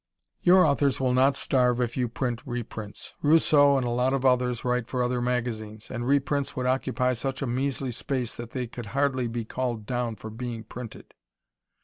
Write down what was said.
Your authors will not starve if you print reprints. Rousseau and a lot of others write for other magazines. And reprints would occupy such a measly space that they could hardly be called down for being printed.